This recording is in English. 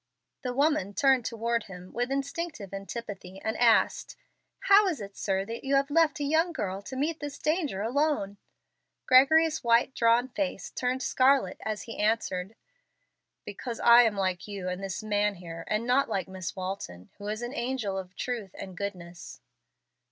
The woman turned toward him with instinctive antipathy, and asked, "How is it, sir, you have left a young girl to meet this danger alone?" Gregory's white, drawn face turned scarlet as he answered, "Because I am like you and this man here, and not like Miss Walton, who is an angel of truth and goodness."